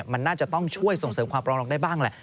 มันน่าจะต้องช่วยส่งเสริมความปรองได้บ้างแหละ